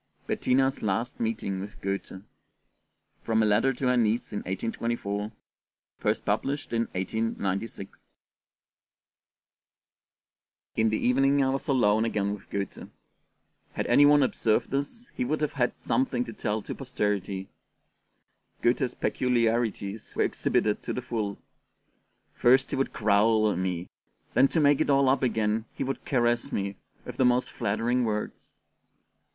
BETTINA'S LAST MEETING WITH GOETHE From a Letter to her Niece in 1824, first published in 1896 IN THE evening I was alone again with Goethe. Had any one observed us, he would have had something to tell to posterity. Goethe's peculiarities were exhibited to the full: first he would growl at me, then to make it all up again he would caress me, with the most flattering words.